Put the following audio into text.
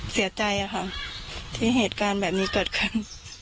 เสียใจค่ะที่เหตุการณ์แบบนี้เกิดขึ้น